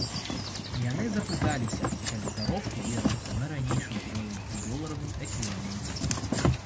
Яны запыталіся, калі заробкі вернуцца на ранейшы ўзровень у доларавым эквіваленце.